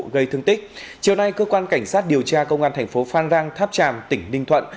gây thương tích chiều nay cơ quan cảnh sát điều tra công an thành phố phan rang tháp tràm tỉnh ninh thuận